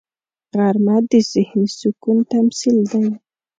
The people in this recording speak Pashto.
غرمه د ذهني سکون تمثیل دی